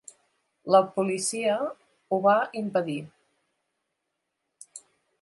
La policia ho va impedir.